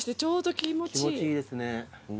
気持ちいいですね。